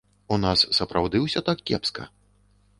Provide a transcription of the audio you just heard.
У нас сапраўды ўсё так кепска?